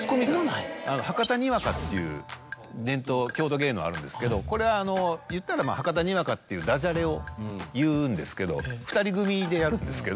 「博多仁和加」っていう伝統郷土芸能あるんですけどこれはいったら博多仁和加っていうダジャレを言うんですけど２人組でやるんですけど。